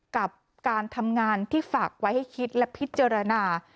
กับการทำงานที่ฝากไว้ให้คิดและพิจารณา